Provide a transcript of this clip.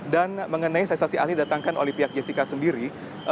dan mengenai saksi saksi ahli didatangkan oleh pihak jessica sendiri